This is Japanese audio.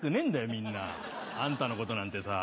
みんなあんたのことなんてさ。